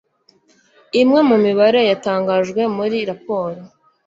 Imwe mu mibare yatangajwe muri raporo;